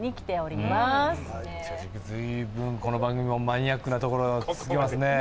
随分この番組もマニアックなところをつきますね。